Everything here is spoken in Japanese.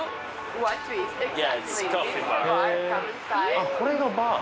あっこれがバー。